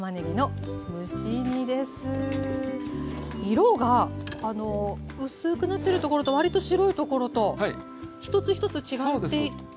色があの薄くなってるところと割と白いところと一つ一つ違っているんですね。